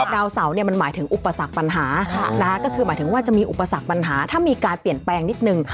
ดาวเสามันหมายถึงอุปสรรคปัญหาก็คือหมายถึงว่าจะมีอุปสรรคปัญหาถ้ามีการเปลี่ยนแปลงนิดนึง